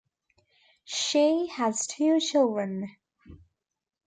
She has two children.